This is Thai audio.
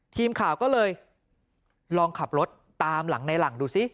ทีมข่าวก็เลยลองขับรถตามหลังในหลังดูซิ